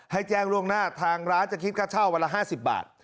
แจ้งล่วงหน้าทางร้านจะคิดค่าเช่าวันละ๕๐บาท